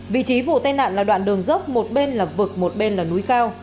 vị trí vụ tai nạn là đoạn đường dốc một bên là vực một bên là núi cao